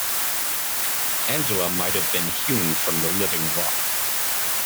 Angela might have been hewn from the living rock.